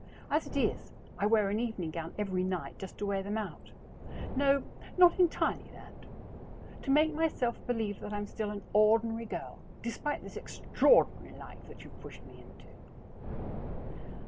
As it is, I wear an evening gown every night just to wear them out no, not entirely that; to make myself believe that I'm still an ordinary girl despite this extraordinary life that you have pushed me into.